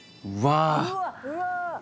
うわ！